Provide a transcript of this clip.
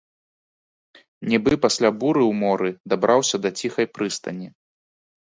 Нібы пасля буры ў моры дабраўся да ціхай прыстані.